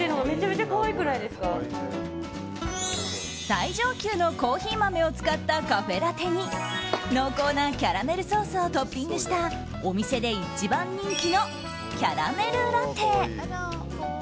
最上級のコーヒー豆を使ったカフェラテに濃厚なキャラメルソースをトッピングしたお店で一番人気のキャラメルラテ。